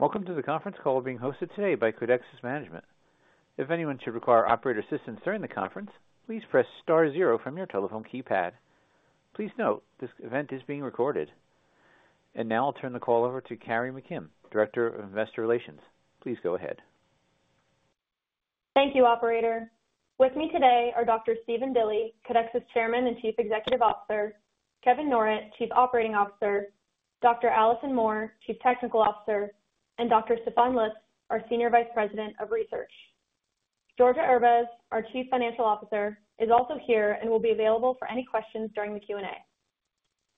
Welcome to the conference call being hosted today by Codexis Management. If anyone should require operator assistance during the conference, please press star zero from your telephone keypad. Please note this event is being recorded. I will now turn the call over to Carrie McKim, Director of Investor Relations. Please go ahead. Thank you, Operator. With me today are Dr. Stephen Dilly, Codexis Chairman and Chief Executive Officer, Kevin Norrett, Chief Operating Officer, Dr. Alison Moore, Chief Technical Officer, and Dr. Stefan Lutz, our Senior Vice President of Research. Georgia Erbez, our Chief Financial Officer, is also here and will be available for any questions during the Q&A.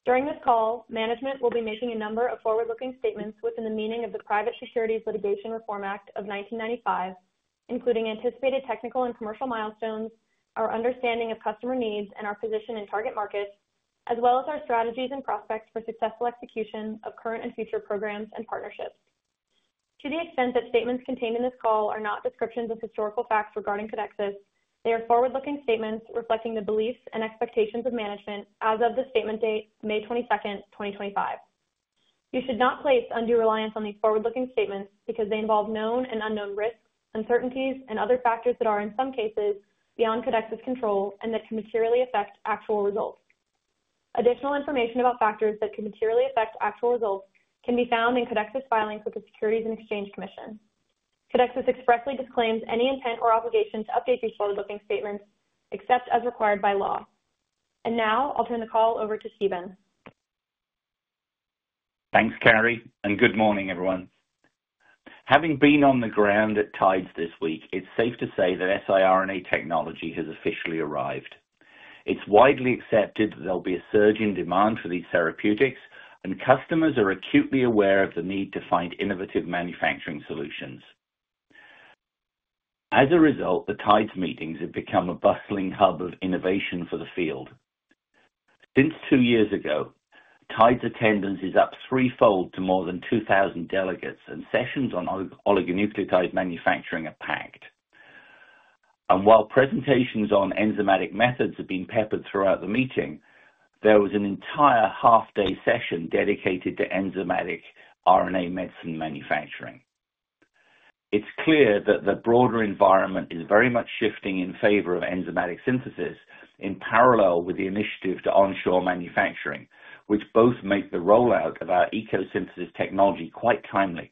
During this call, management will be making a number of forward-looking statements within the meaning of the Private Securities Litigation Reform Act of 1995, including anticipated technical and commercial milestones, our understanding of customer needs, and our position in target markets, as well as our strategies and prospects for successful execution of current and future programs and partnerships. To the extent that statements contained in this call are not descriptions of historical facts regarding Codexis, they are forward-looking statements reflecting the beliefs and expectations of management as of the statement date, May 22nd, 2025. You should not place undue reliance on these forward-looking statements because they involve known and unknown risks, uncertainties, and other factors that are, in some cases, beyond Codexis' control and that can materially affect actual results. Additional information about factors that can materially affect actual results can be found in Codexis' filings with the Securities and Exchange Commission. Codexis expressly disclaims any intent or obligation to update these forward-looking statements except as required by law. Now I'll turn the call over to Stephen. Thanks, Carrie, and good morning, everyone. Having been on the ground at TIDES this week, it's safe to say that siRNA technology has officially arrived. It's widely accepted that there'll be a surge in demand for these therapeutics, and customers are acutely aware of the need to find innovative manufacturing solutions. As a result, the TIDES meetings have become a bustling hub of innovation for the field. Since two years ago, TIDES attendance is up threefold to more than 2,000 delegates, and sessions on oligonucleotide manufacturing are packed. While presentations on enzymatic methods have been peppered throughout the meeting, there was an entire half-day session dedicated to enzymatic RNA medicine manufacturing. It's clear that the broader environment is very much shifting in favor of enzymatic synthesis in parallel with the initiative to onshore manufacturing, which both make the rollout of our ECO Synthesis platform quite timely.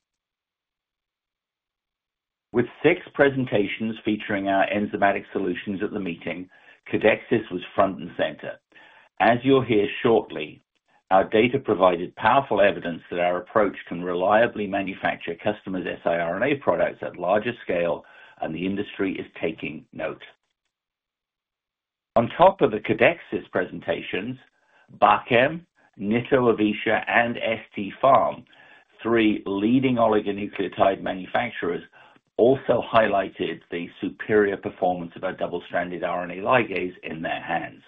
With six presentations featuring our enzymatic solutions at the meeting, Codexis was front and center. As you'll hear shortly, our data provided powerful evidence that our approach can reliably manufacture customers' siRNA products at a larger scale, and the industry is taking note. On top of the Codexis presentations, Bachem, Nitto Avecia, and ST Pharm, three leading oligonucleotide manufacturers, also highlighted the superior performance of our double-stranded RNA ligase in their hands.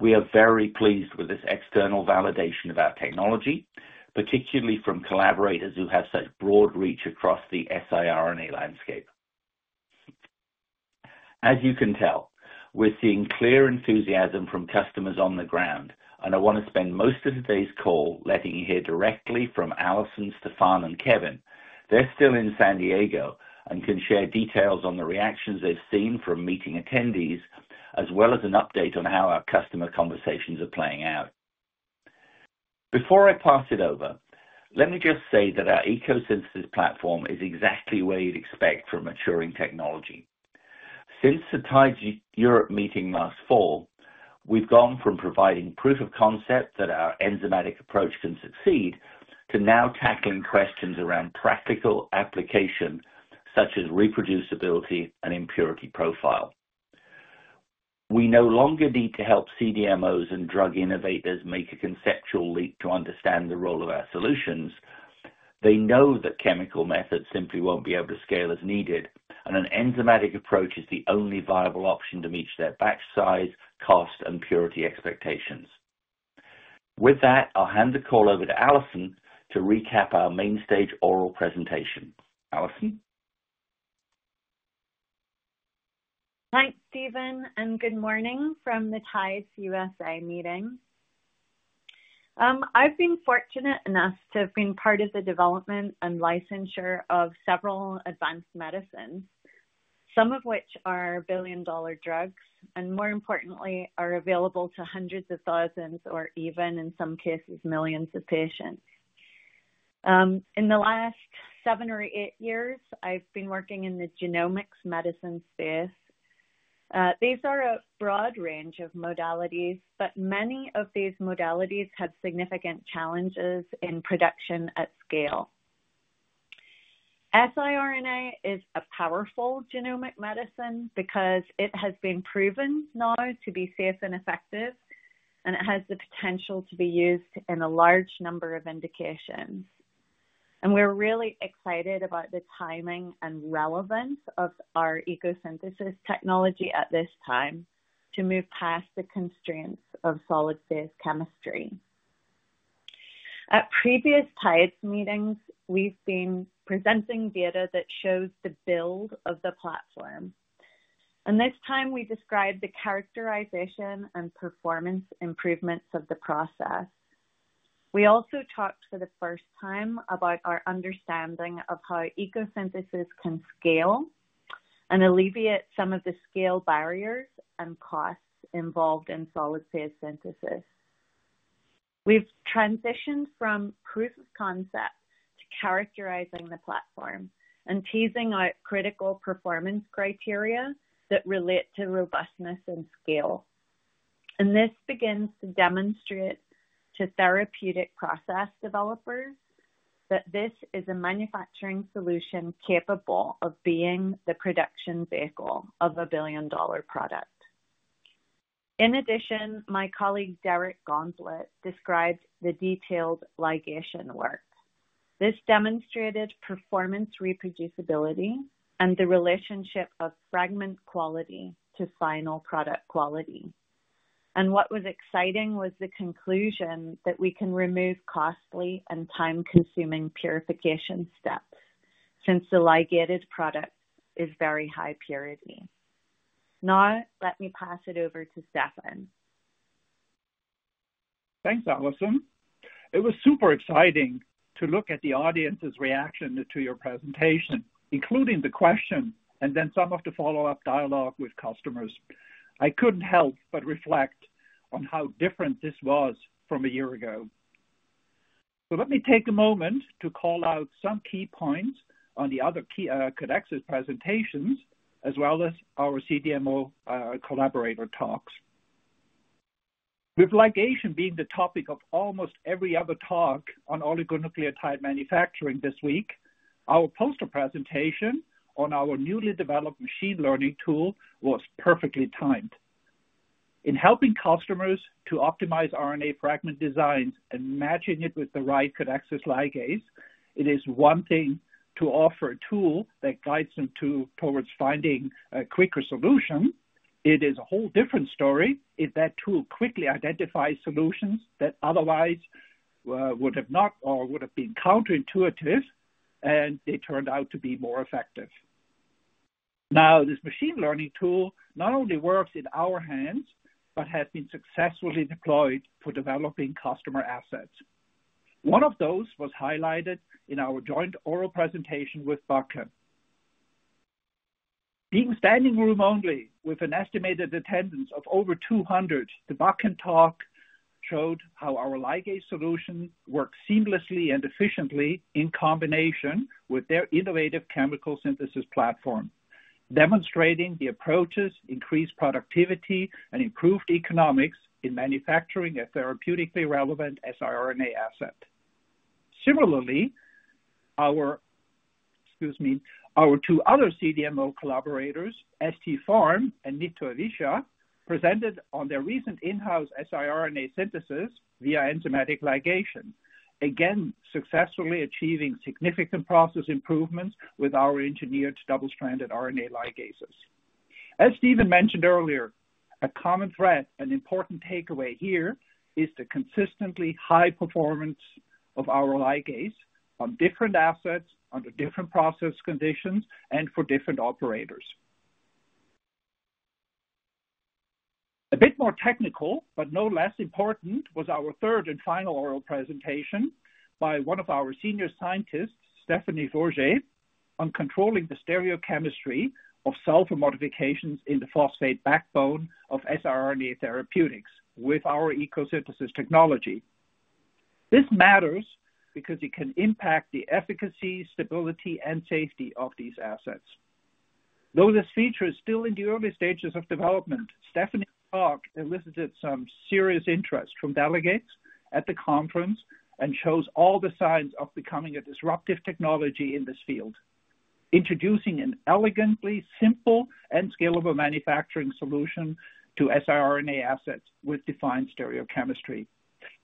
We are very pleased with this external validation of our technology, particularly from collaborators who have such broad reach across the siRNA landscape. As you can tell, we're seeing clear enthusiasm from customers on the ground, and I want to spend most of today's call letting you hear directly from Alison, Stefan, and Kevin. They're still in San Diego and can share details on the reactions they've seen from meeting attendees, as well as an update on how our customer conversations are playing out. Before I pass it over, let me just say that our ECO Synthesis platform is exactly where you'd expect from maturing technology. Since the TIDES Europe meeting last fall, we've gone from providing proof of concept that our enzymatic approach can succeed to now tackling questions around practical application such as reproducibility and impurity profile. We no longer need to help CDMOs and drug innovators make a conceptual leap to understand the role of our solutions. They know that chemical methods simply won't be able to scale as needed, and an enzymatic approach is the only viable option to meet their batch size, cost, and purity expectations. With that, I'll hand the call over to Alison to recap our main stage oral presentation. Alison? Thanks, Stephen, and good morning from the TIDES USA meeting. I've been fortunate enough to have been part of the development and licensure of several advanced medicines, some of which are billion-dollar drugs and, more importantly, are available to hundreds of thousands or even, in some cases, millions of patients. In the last seven or eight years, I've been working in the genomics medicine space. These are a broad range of modalities, but many of these modalities have significant challenges in production at scale. siRNA is a powerful genomic medicine because it has been proven now to be safe and effective, and it has the potential to be used in a large number of indications. We're really excited about the timing and relevance of our ECO Synthesis platform at this time to move past the constraints of solid-phase synthesis. At previous TIDES meetings, we've been presenting data that shows the build of the platform, and this time we described the characterization and performance improvements of the process. We also talked for the first time about our understanding of how ECO Synthesis can scale and alleviate some of the scale barriers and costs involved in solid-phase synthesis. We've transitioned from proof of concept to characterizing the platform and teasing out critical performance criteria that relate to robustness and scale. This begins to demonstrate to therapeutic process developers that this is a manufacturing solution capable of being the production vehicle of a billion-dollar product. In addition, my colleague Derek Gauntlett described the detailed ligation work. This demonstrated performance reproducibility and the relationship of fragment quality to final product quality. What was exciting was the conclusion that we can remove costly and time-consuming purification steps since the ligated product is very high purity. Now let me pass it over to Stefan. Thanks, Alison. It was super exciting to look at the audience's reaction to your presentation, including the question and then some of the follow-up dialogue with customers. I couldn't help but reflect on how different this was from a year ago. Let me take a moment to call out some key points on the other Codexis presentations, as well as our CDMO collaborator talks. With ligation being the topic of almost every other talk on oligonucleotide manufacturing this week, our poster presentation on our newly developed machine learning tool was perfectly timed. In helping customers to optimize RNA fragment designs and matching it with the right Codexis ligase, it is one thing to offer a tool that guides them towards finding a quicker solution. It is a whole different story if that tool quickly identifies solutions that otherwise would have not or would have been counterintuitive, and they turned out to be more effective. Now, this machine learning tool not only works in our hands but has been successfully deployed for developing customer assets. One of those was highlighted in our joint oral presentation with Bachem. Being standing room only, with an estimated attendance of over 200, the Bachem talk showed how our ligase solution works seamlessly and efficiently in combination with their innovative chemical synthesis platform, demonstrating the approach's increased productivity and improved economics in manufacturing a therapeutically relevant siRNA asset. Similarly, our two other CDMO collaborators, ST Pharm and Nitto Avecia, presented on their recent in-house siRNA synthesis via enzymatic ligation, again successfully achieving significant process improvements with our engineered double-stranded RNA ligases. As Stephen mentioned earlier, a common thread and important takeaway here is the consistently high performance of our ligase on different assets, under different process conditions, and for different operators. A bit more technical, but no less important, was our third and final oral presentation by one of our senior scientists, Stephanie Forget, on controlling the stereochemistry of sulfur modifications in the phosphate backbone of siRNA therapeutics with our ECO Synthesis technology. This matters because it can impact the efficacy, stability, and safety of these assets. Though this feature is still in the early stages of development, Stephanie's talk elicited some serious interest from delegates at the conference and shows all the signs of becoming a disruptive technology in this field, introducing an elegantly simple and scalable manufacturing solution to siRNA assets with defined stereochemistry.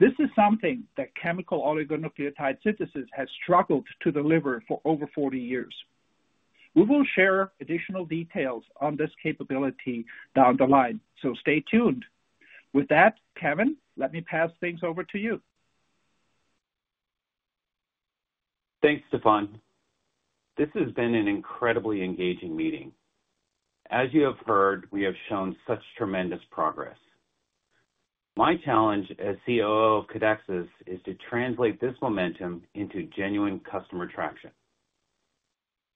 This is something that chemical oligonucleotide synthesis has struggled to deliver for over 40 years. We will share additional details on this capability down the line, so stay tuned. With that, Kevin, let me pass things over to you. Thanks, Stefan. This has been an incredibly engaging meeting. As you have heard, we have shown such tremendous progress. My challenge as COO of Codexis is to translate this momentum into genuine customer traction.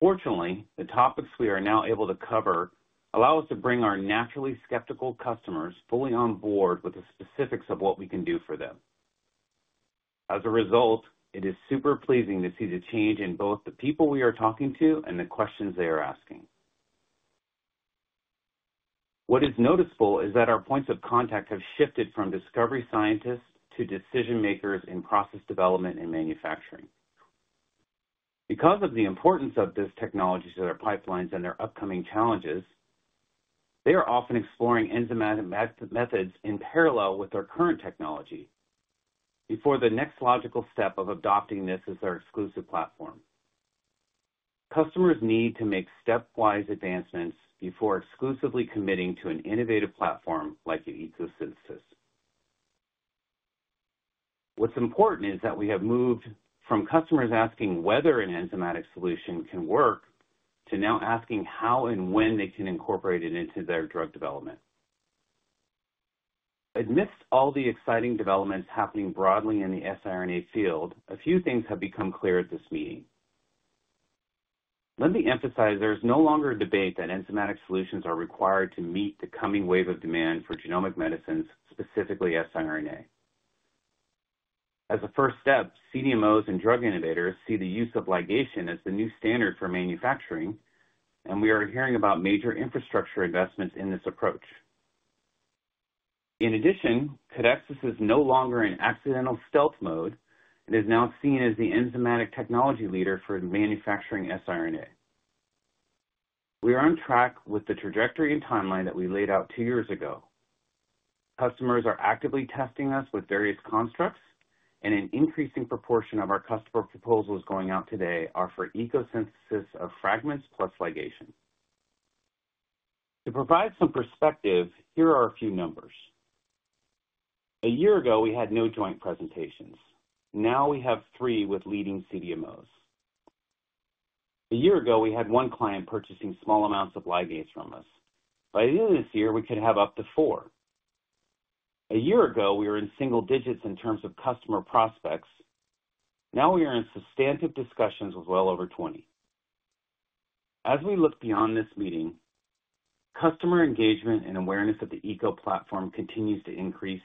Fortunately, the topics we are now able to cover allow us to bring our naturally skeptical customers fully on board with the specifics of what we can do for them. As a result, it is super pleasing to see the change in both the people we are talking to and the questions they are asking. What is noticeable is that our points of contact have shifted from discovery scientists to decision-makers in process development and manufacturing. Because of the importance of this technology to their pipelines and their upcoming challenges, they are often exploring enzymatic methods in parallel with their current technology before the next logical step of adopting this as their exclusive platform. Customers need to make stepwise advancements before exclusively committing to an innovative platform like an ECO Synthesis platform. What's important is that we have moved from customers asking whether an enzymatic solution can work to now asking how and when they can incorporate it into their drug development. Amidst all the exciting developments happening broadly in the siRNA field, a few things have become clear at this meeting. Let me emphasize there is no longer a debate that enzymatic solutions are required to meet the coming wave of demand for genomic medicines, specifically siRNA. As a first step, CDMOs and drug innovators see the use of ligation as the new standard for manufacturing, and we are hearing about major infrastructure investments in this approach. In addition, Codexis is no longer in accidental stealth mode and is now seen as the enzymatic technology leader for manufacturing siRNA. We are on track with the trajectory and timeline that we laid out two years ago. Customers are actively testing us with various constructs, and an increasing proportion of our customer proposals going out today are for ECO Synthesis of fragments plus ligation. To provide some perspective, here are a few numbers. A year ago, we had no joint presentations. Now we have three with leading CDMOs. A year ago, we had one client purchasing small amounts of ligase from us. By the end of this year, we could have up to four. A year ago, we were in single digits in terms of customer prospects. Now we are in substantive discussions with well over 20. As we look beyond this meeting, customer engagement and awareness of the ECO platform continues to increase,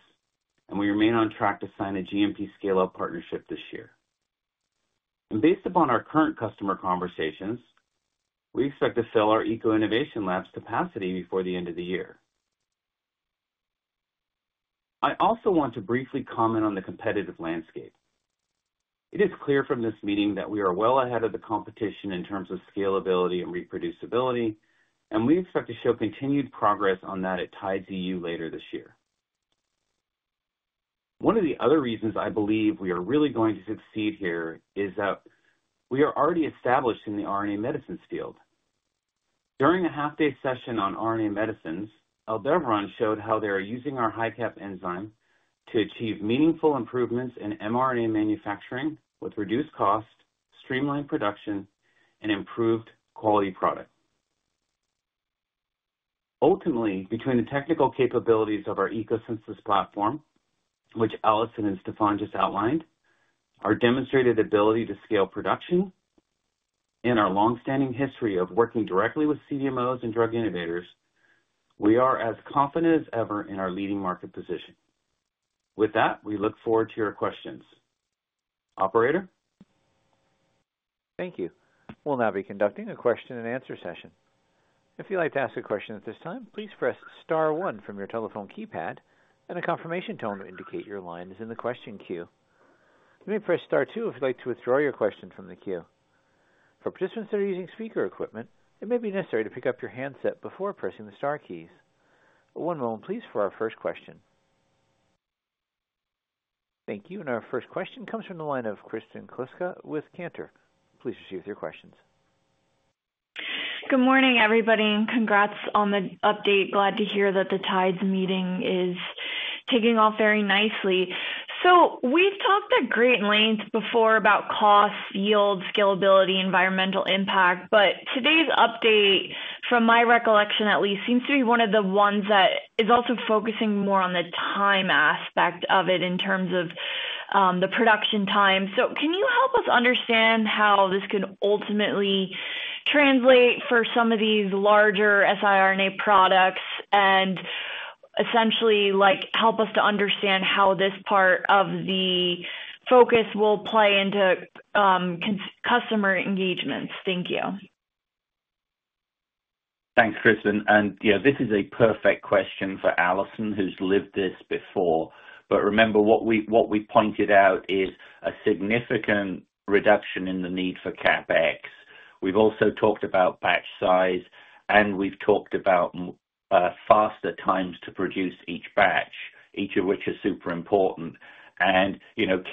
and we remain on track to sign a GMP scale-up partnership this year. Based upon our current customer conversations, we expect to fill our ECO-innovation lab's capacity before the end of the year. I also want to briefly comment on the competitive landscape. It is clear from this meeting that we are well ahead of the competition in terms of scalability and reproducibility, and we expect to show continued progress on that at TIDES EU later this year. One of the other reasons I believe we are really going to succeed here is that we are already established in the RNA medicines field. During a half-day session on RNA medicines, Aldevron showed how they are using our enzyme to achieve meaningful improvements in mRNA manufacturing with reduced cost, streamlined production, and improved quality product. Ultimately, between the technical capabilities of our ECO Synthesis platform, which Alison and Stefan just outlined, our demonstrated ability to scale production, and our long-standing history of working directly with CDMOs and drug innovators, we are as confident as ever in our leading market position. With that, we look forward to your questions. Operator? Thank you. We'll now be conducting a question-and-answer session. If you'd like to ask a question at this time, please press star one from your telephone keypad and a confirmation tone to indicate your line is in the question queue. You may press star two if you'd like to withdraw your question from the queue. For participants that are using speaker equipment, it may be necessary to pick up your handset before pressing the star keys. One moment, please, for our first question. Thank you. Our first question comes from the line of Kristen Kluska with Cantor. Please proceed with your questions. Good morning, everybody. Congrats on the update. Glad to hear that the TIDES meeting is taking off very nicely. We have talked at great length before about cost, yield, scalability, environmental impact, but today's update, from my recollection at least, seems to be one of the ones that is also focusing more on the time aspect of it in terms of the production time. Can you help us understand how this could ultimately translate for some of these larger siRNA products and essentially help us to understand how this part of the focus will play into customer engagements? Thank you. Thanks, Kristen. Yeah, this is a perfect question for Alison, who's lived this before. Remember, what we pointed out is a significant reduction in the need for CapEx. We've also talked about batch size, and we've talked about faster times to produce each batch, each of which is super important.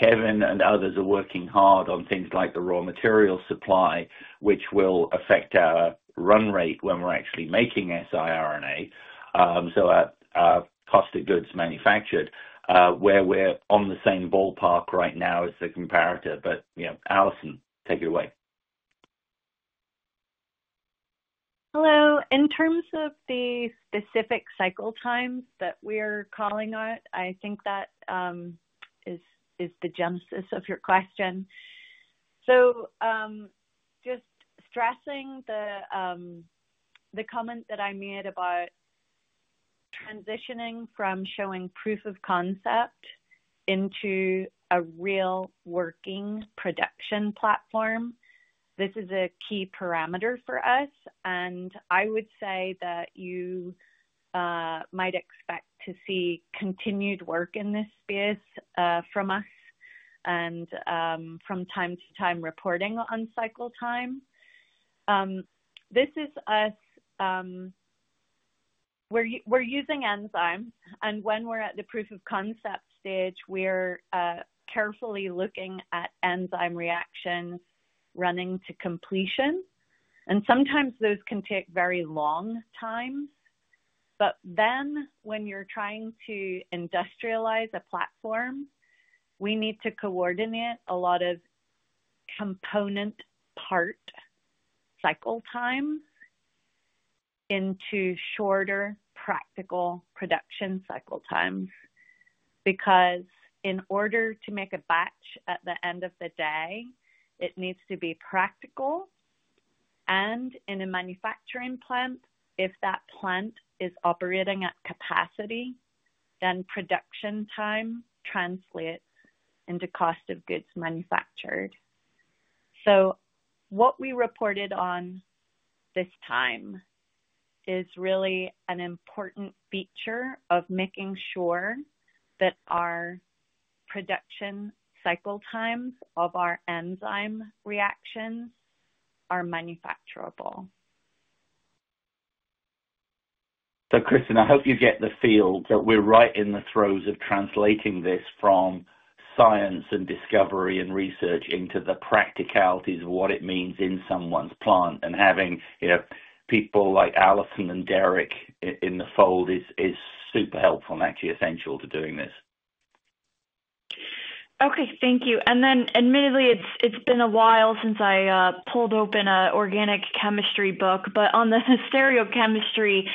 Kevin and others are working hard on things like the raw material supply, which will affect our run rate when we're actually making siRNA, so our cost of goods manufactured, where we're on the same ballpark right now as the comparator. Alison, take it away. Hello. In terms of the specific cycle times that we are calling out, I think that is the genesis of your question. Just stressing the comment that I made about transitioning from showing proof of concept into a real working production platform, this is a key parameter for us. I would say that you might expect to see continued work in this space from us and from time to time reporting on cycle time. This is us. We're using enzymes, and when we're at the proof of concept stage, we're carefully looking at enzyme reactions running to completion. Sometimes those can take very long times. When you're trying to industrialize a platform, we need to coordinate a lot of component part cycle times into shorter practical production cycle times because in order to make a batch at the end of the day, it needs to be practical. In a manufacturing plant, if that plant is operating at capacity, then production time translates into cost of goods manufactured. What we reported on this time is really an important feature of making sure that our production cycle times of our enzyme reactions are manufacturable. Kristen, I hope you get the feel that we're right in the throes of translating this from science and discovery and research into the practicalities of what it means in someone's plant. Having people like Alison and Derek in the fold is super helpful and actually essential to doing this. Okay. Thank you. Admittedly, it's been a while since I pulled open an organic chemistry book. On the stereochemistry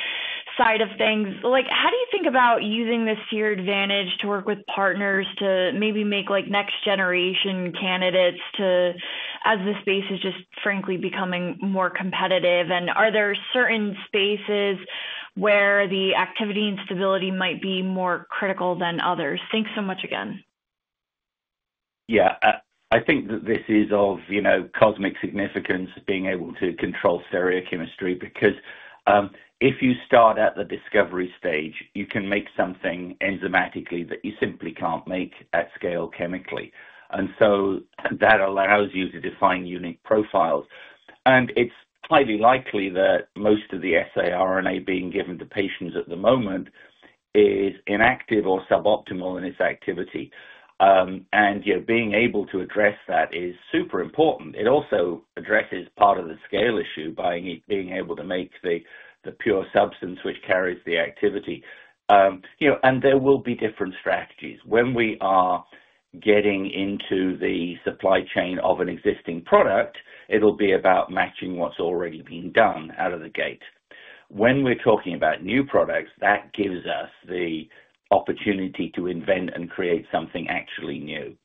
side of things, how do you think about using this to your advantage to work with partners to maybe make next-generation candidates as the space is just frankly becoming more competitive? Are there certain spaces where the activity and stability might be more critical than others? Thanks so much again. Yeah. I think that this is of cosmic significance, being able to control stereochemistry because if you start at the discovery stage, you can make something enzymatically that you simply can't make at scale chemically. That allows you to define unique profiles. It's highly likely that most of the siRNA being given to patients at the moment is inactive or suboptimal in its activity. Being able to address that is super important. It also addresses part of the scale issue by being able to make the pure substance which carries the activity. There will be different strategies. When we are getting into the supply chain of an existing product, it'll be about matching what's already being done out of the gate. When we're talking about new products, that gives us the opportunity to invent and create something actually new.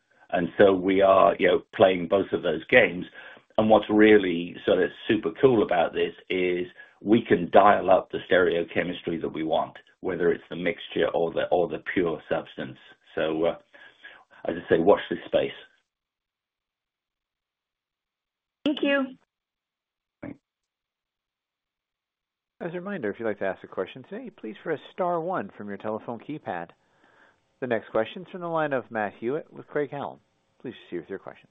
We are playing both of those games. What's really sort of super cool about this is we can dial up the stereochemistry that we want, whether it's the mixture or the pure substance. As I say, watch this space. Thank you. Thanks. As a reminder, if you'd like to ask a question today, please press star one from your telephone keypad. The next question is from the line of Matt Hewitt with Craig-Hallum. Please proceed with your questions.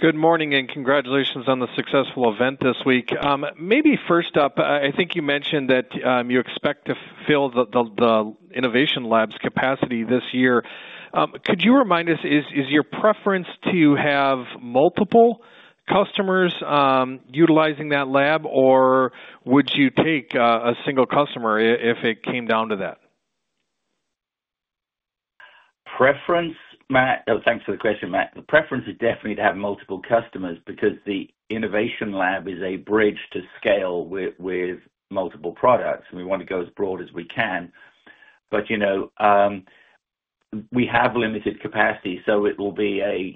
Good morning and congratulations on the successful event this week. Maybe first up, I think you mentioned that you expect to fill the innovation lab's capacity this year. Could you remind us, is your preference to have multiple customers utilizing that lab, or would you take a single customer if it came down to that? Preference, Matt, thanks for the question, Matt. The preference is definitely to have multiple customers because the innovation lab is a bridge to scale with multiple products, and we want to go as broad as we can. We have limited capacity, so it will be a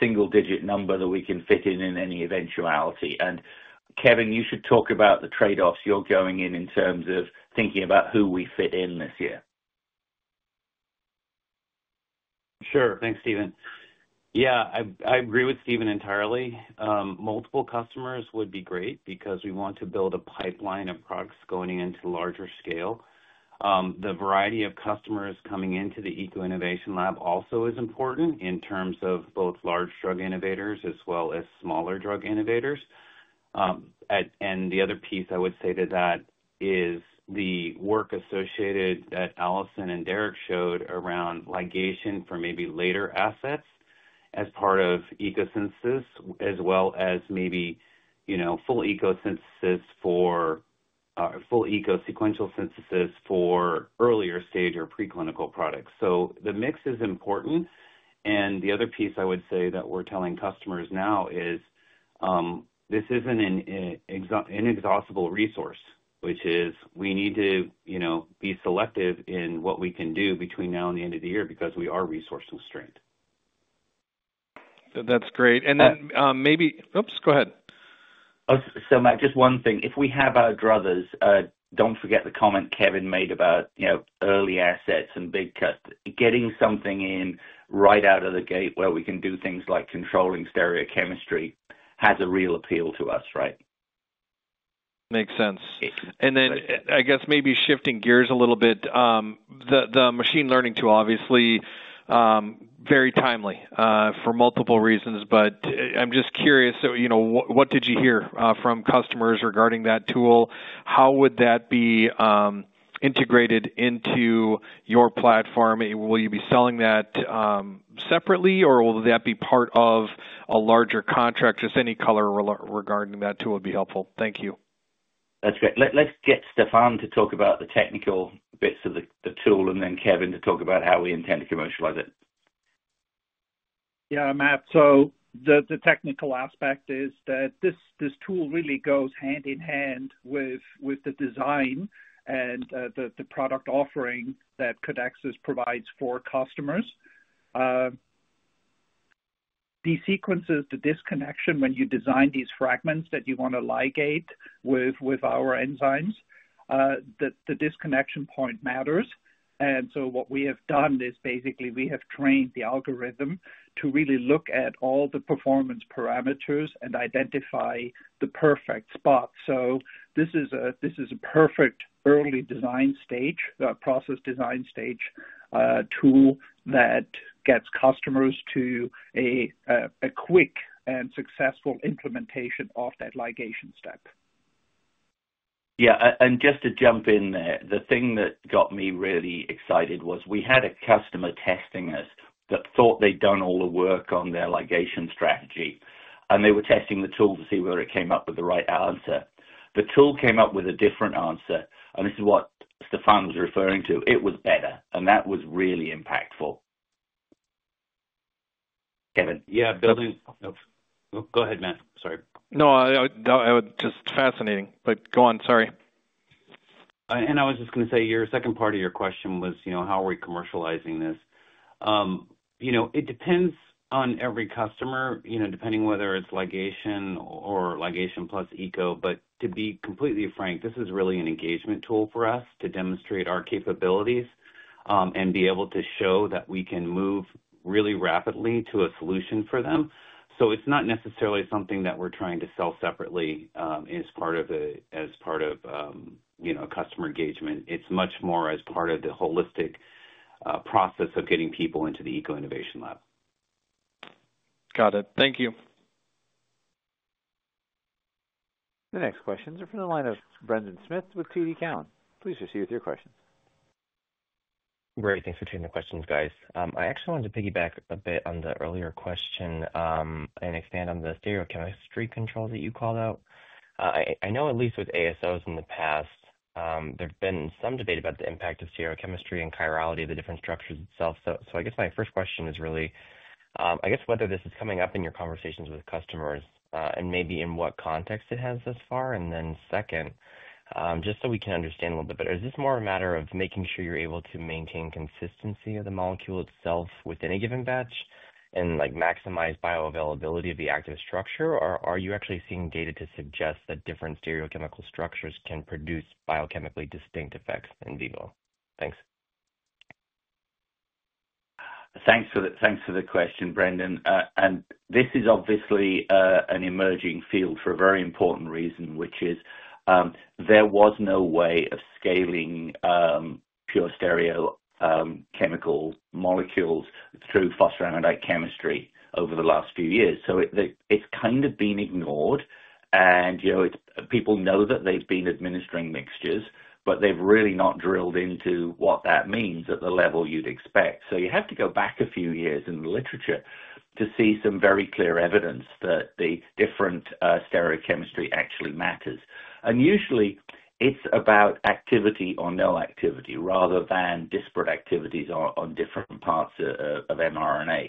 single-digit number that we can fit in in any eventuality. Kevin, you should talk about the trade-offs you're going in in terms of thinking about who we fit in this year. Sure. Thanks, Stephen. Yeah, I agree with Stephen entirely. Multiple customers would be great because we want to build a pipeline of products going into larger scale. The variety of customers coming into the eco-innovation lab also is important in terms of both large drug innovators as well as smaller drug innovators. The other piece I would say to that is the work associated that Alison and Derek showed around ligation for maybe later assets as part of ECO Synthesis, as well as maybe full ECO Synthesis for full eco-sequential synthesis for earlier stage or preclinical products. The mix is important. The other piece I would say that we're telling customers now is this isn't an inexhaustible resource, which is we need to be selective in what we can do between now and the end of the year because we are resource-constrained. That's great. And then maybe, oops, go ahead. Matt, just one thing. If we have our druthers, don't forget the comment Kevin made about early assets and big cuts. Getting something in right out of the gate where we can do things like controlling stereochemistry has a real appeal to us, right? Makes sense. I guess maybe shifting gears a little bit, the machine learning tool obviously very timely for multiple reasons. I'm just curious, what did you hear from customers regarding that tool? How would that be integrated into your platform? Will you be selling that separately, or will that be part of a larger contract? Just any color regarding that tool would be helpful. Thank you. That's great. Let's get Stefan to talk about the technical bits of the tool and then Kevin to talk about how we intend to commercialize it. Yeah, Matt. The technical aspect is that this tool really goes hand in hand with the design and the product offering that Codexis provides for customers. The sequences, the disconnection when you design these fragments that you want to ligate with our enzymes, the disconnection point matters. What we have done is basically we have trained the algorithm to really look at all the performance parameters and identify the perfect spot. This is a perfect early design stage, process design stage tool that gets customers to a quick and successful implementation of that ligation step. Yeah. Just to jump in there, the thing that got me really excited was we had a customer testing us that thought they'd done all the work on their ligation strategy. They were testing the tool to see whether it came up with the right answer. The tool came up with a different answer. This is what Stefan was referring to. It was better. That was really impactful. Kevin. Yeah. Go ahead, Matt. Sorry. No, I was just fascinated. Go on. Sorry. I was just going to say your second part of your question was how are we commercializing this? It depends on every customer, depending whether it's ligation or ligation plus ECO. To be completely frank, this is really an engagement tool for us to demonstrate our capabilities and be able to show that we can move really rapidly to a solution for them. It's not necessarily something that we're trying to sell separately as part of a customer engagement. It's much more as part of the holistic process of getting people into the ECO-innovation lab. Got it. Thank you. The next questions are from the line of Brendan Smith with TD Cowen. Please proceed with your questions. Great. Thanks for taking the questions, guys. I actually wanted to piggyback a bit on the earlier question and expand on the stereochemistry control that you called out. I know at least with ASOs in the past, there's been some debate about the impact of stereochemistry and chirality of the different structures itself. I guess my first question is really, I guess, whether this is coming up in your conversations with customers and maybe in what context it has thus far. Second, just so we can understand a little bit better, is this more a matter of making sure you're able to maintain consistency of the molecule itself within a given batch and maximize bioavailability of the active structure? Or are you actually seeing data to suggest that different stereochemical structures can produce biochemically distinct effects in Vivo? Thanks. Thanks for the question, Brendan. This is obviously an emerging field for a very important reason, which is there was no way of scaling pure stereochemical molecules through phosphoramidite chemistry over the last few years. It has kind of been ignored. People know that they have been administering mixtures, but they have really not drilled into what that means at the level you would expect. You have to go back a few years in the literature to see some very clear evidence that the different stereochemistry actually matters. Usually, it is about activity or no activity rather than disparate activities on different parts of mRNA.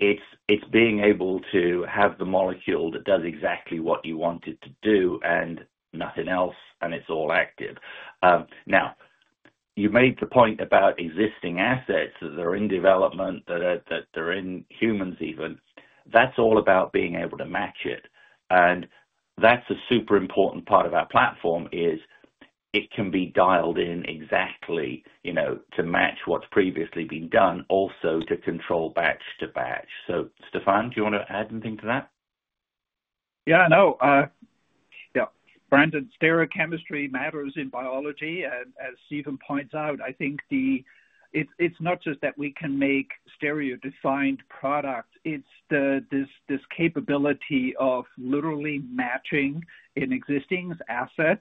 It is being able to have the molecule that does exactly what you want it to do and nothing else, and it is all active. You made the point about existing assets that are in development, that they are in humans even. That's all about being able to match it. That's a super important part of our platform is it can be dialed in exactly to match what's previously been done, also to control batch to batch. Stefan, do you want to add anything to that? Yeah. No. Yeah. Brendan, stereochemistry matters in biology. As Stephen points out, I think it's not just that we can make stereo-defined products. It's this capability of literally matching an existing asset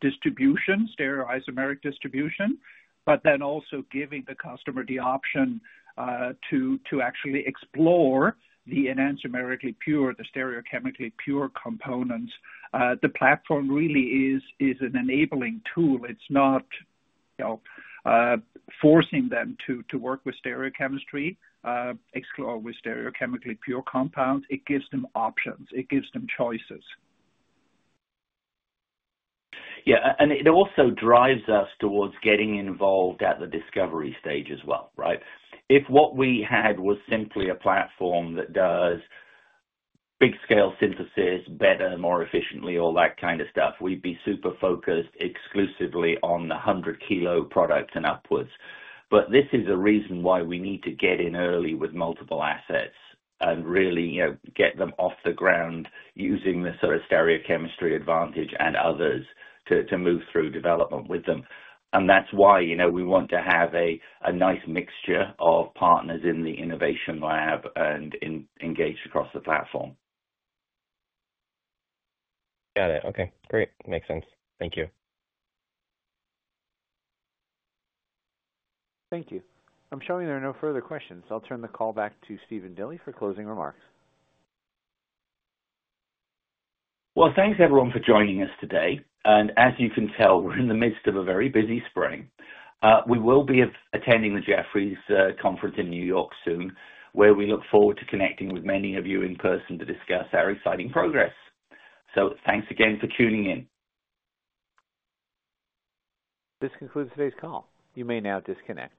distribution, stereoisomeric distribution, but then also giving the customer the option to actually explore the enantiomerically pure, the stereochemically pure components. The platform really is an enabling tool. It's not forcing them to work with stereochemistry or with stereochemically pure compounds. It gives them options. It gives them choices. Yeah. It also drives us towards getting involved at the discovery stage as well, right? If what we had was simply a platform that does big-scale synthesis better, more efficiently, all that kind of stuff, we'd be super focused exclusively on the 100-kilo product and upwards. This is a reason why we need to get in early with multiple assets and really get them off the ground using the sort of stereochemistry advantage and others to move through development with them. That is why we want to have a nice mixture of partners in the innovation lab and engaged across the platform. Got it. Okay. Great. Makes sense. Thank you. Thank you. I'm showing there are no further questions. I'll turn the call back to Stephen Dilly for closing remarks. Thank you, everyone, for joining us today. As you can tell, we are in the midst of a very busy spring. We will be attending the Jefferies conference in New York soon, where we look forward to connecting with many of you in person to discuss our exciting progress. Thank you again for tuning in. This concludes today's call. You may now disconnect.